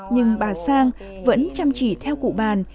nhưng bà sang vẫn chăm chỉ theo cụ bàn